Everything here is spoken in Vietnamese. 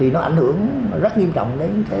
nó rất nghiêm trọng